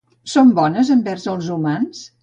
Són bones envers els humans?